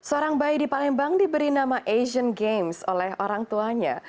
seorang bayi di palembang diberi nama asian games oleh orang tuanya